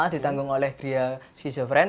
ditanggung oleh gria siso fren